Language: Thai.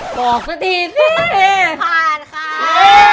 บอกสักทีสิผ่านค่ะ